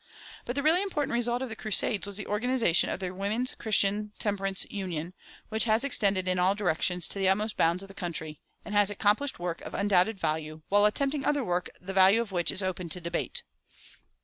But the really important result of the "crusades" was the organization of the "Women's Christian Temperance Union," which has extended in all directions to the utmost bounds of the country, and has accomplished work of undoubted value, while attempting other work the value of which is open to debate.